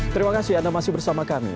terima kasih anda masih bersama kami